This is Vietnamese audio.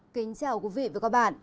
kính chào quý vị và các bạn